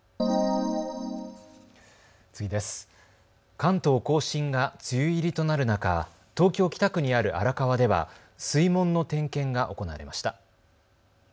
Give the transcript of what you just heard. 関東甲信が梅雨入りとなる中、東京北区にある荒川では水門の点検が行われました。